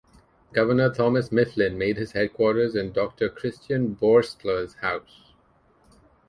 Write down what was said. Governor Thomas Mifflin made his headquarters in Doctor Christian Boerstler's house.